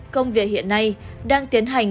công việc hiện nay đang tiến hành